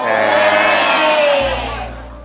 เออ